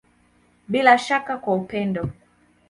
Bila ya shaka kwa upendo.